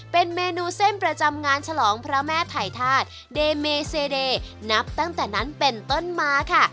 เป็นเมนูเส้นประจำงานฉลองพระแม่ถ่ายธาตุเดเมเซเดย์นับตั้งแต่นั้นเป็นต้นมาค่ะ